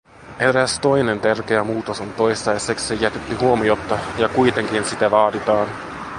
Eräs toinen tärkeä muutos on toistaiseksi jätetty huomiotta, ja kuitenkin sitä vaaditaan.